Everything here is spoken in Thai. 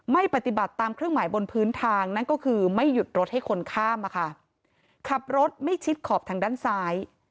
ไม่ปฏิบัติตามเครื่องหมายบนพื้นทางนั่นก็คือไม่หยุดรถให้คนข้ามอะค่ะขับรถไม่ชิดขอบทางด้านซ้าย